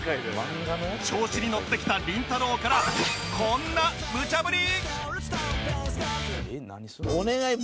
調子にのってきたりんたろー。からこんなむちゃぶり！